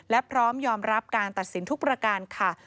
และพร้อมยอมรับการตัดสินทุกประการค่ะ